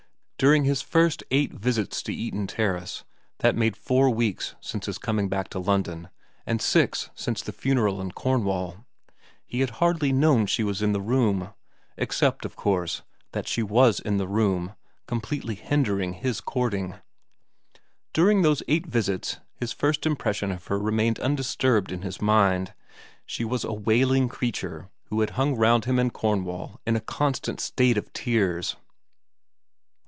During his first eight visits to Eaton Terrace that made four weeks since his coming back to London and six since the funeral in Cornwall he had hardly known she was in the room ; except, of course, that she was in the room, completely hindering his courting. During those eight visits his first impres sion of her remained undisturbed in his mind : she was a wailing creature who had hung round him in Cornwall in a constant state of tears.